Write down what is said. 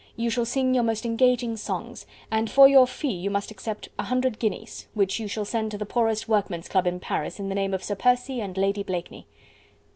You shall sing your most engaging songs... and for your fee you must accept a hundred guineas, which you shall send to the poorest workman's club in Paris in the name of Sir Percy and Lady Blakeney."